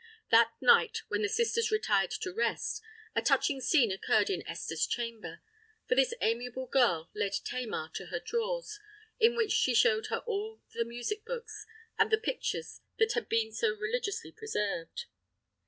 That night, when the sisters retired to rest, a touching scene occurred in Esther's chamber; for this amiable girl led Tamar to her drawers, in which she showed her all the music books and the pictures that had been so religiously preserved.